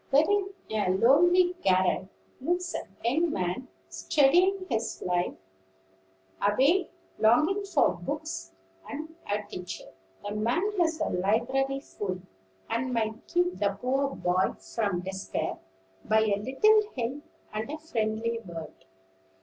There in a lonely garret lives a young man studying his life away, longing for books and a teacher. The man has a library full, and might keep the poor boy from despair by a little help and a friendly word.